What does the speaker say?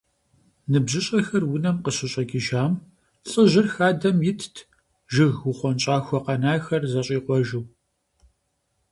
НыбжьыщӀэхэр унэм къыщыщӀэкӀыжам, лӏыжьыр хадэм итт, жыг ухъуэнщӀахуэ къэнахэр зэщӀикъуэжу.